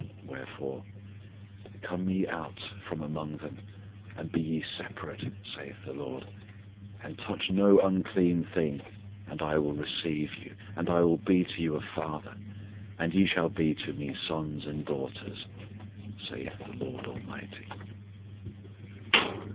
... Wherefore: Come ye out from among them, and be ye separate, saith the LORD, And touch no unclean thing; And I will receive you, And will be to you a FATHER, And ye shall be to Me sons and daughters, saith the LORD ALMIGHTY.